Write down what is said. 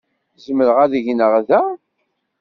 Zemreɣ ad gneɣ da?